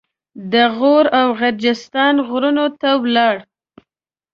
د غور او غرجستان غرونو ته ولاړ.